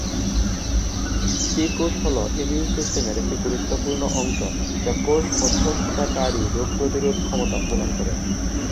টি কোষ হলো ইমিউন সিস্টেমের একটি গুরুত্বপূর্ণ অংশ যা কোষ-মধ্যস্থতাকারী রোগ প্রতিরোধ ক্ষমতা প্রদান করে।